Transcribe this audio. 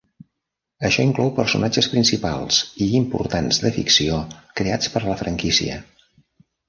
Això inclou personatges principals i importants de ficció creats per a la franquícia.